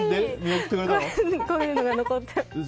こういうのが残ってます。